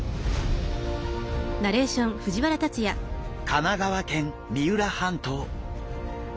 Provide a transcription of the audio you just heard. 神奈川県三浦半島。